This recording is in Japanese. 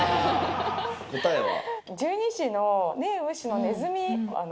答えは？